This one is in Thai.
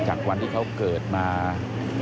พบหน้าลูกแบบเป็นร่างไร้วิญญาณ